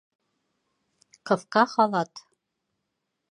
Ҡыҫҡа халат.